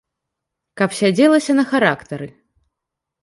Каб сядзелася на характары.